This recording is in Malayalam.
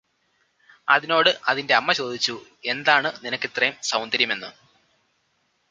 അതിനോട് അതിന്റെ അമ്മ ചോദിച്ചു എന്താണ് നിനക്കിത്രേം സൗന്ദര്യമെന്ന്